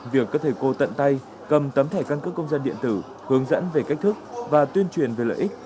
việc các thầy cô tận tay cầm tấm thẻ căn cước công dân điện tử hướng dẫn về cách thức và tuyên truyền về lợi ích